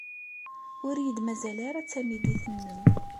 Ur iyi-d-mazal ara d tamidit-nnem.